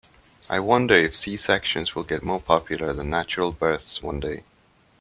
I wonder if C-sections will get more popular than natural births one day.